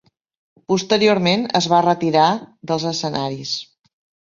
Posteriorment es va retirar dels escenaris.